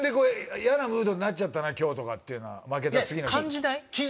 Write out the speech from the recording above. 「嫌なムードになっちゃったな今日」とかっていうのは負けた次の日。